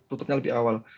tutupnya lebih awal